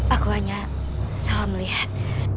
aku hanya salah melihat